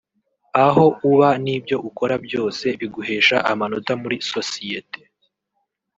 aho uba n’ibyo ukora byose biguhesha amanota muri sosiyete